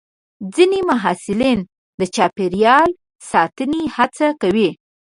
ځینې محصلین د چاپېریال ساتنې هڅه کوي.